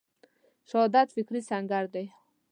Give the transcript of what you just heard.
شهامت فکري سنګر